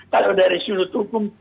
kalau dari sudut hukum